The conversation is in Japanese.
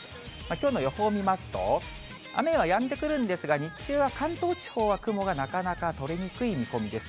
きょうの予報見ますと、雨はやんでくるんですが、日中は関東地方は雲がなかなか取れにくい見込みです。